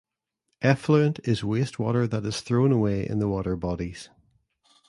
Effluent is waste water that is thrown away in the water bodies.